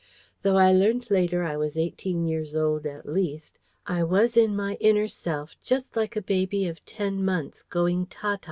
Though I learnt later I was eighteen years old at least, I was in my inner self just like a baby of ten months, going ta ta.